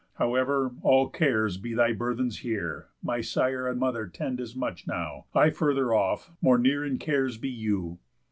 However, all cares be thy burthens here, My sire and mother tend as much as now, I further off, more near in cares be you.